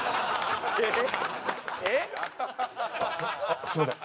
あっすいません